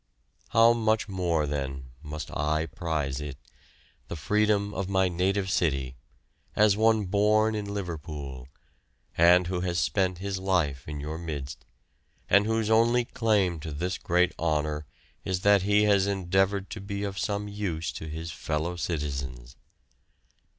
How much more, then, must I prize it, the freedom of my native city, as one born in Liverpool, and who has spent his life in your midst, and whose only claim to this great honour is that he has endeavoured to be of some use to his fellow citizens.